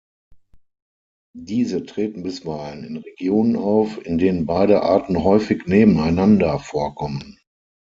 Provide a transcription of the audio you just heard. Diese treten bisweilen in Regionen auf, in denen beide Arten häufig nebeneinander vorkommen.